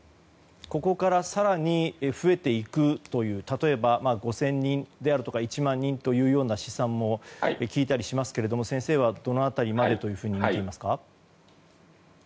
ここから更に増えていくという例えば５０００人とか１万人という試算も聞いたりしますけども先生はどの辺りまでとみていますか。